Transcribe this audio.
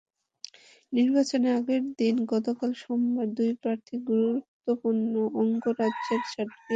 নির্বাচনের আগের দিন গতকাল সোমবার দুই প্রার্থী গুরুত্বপূর্ণ অঙ্গরাজ্যে ঝটিকা প্রচার চালান।